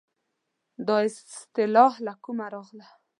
دا اصطلاح له کومه راغله.